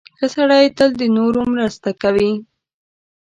• ښه سړی تل د نورو مرسته کوي.